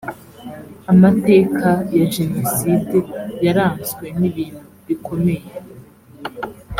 amateka ya jenoside yaranzwe nibintu bikomeye.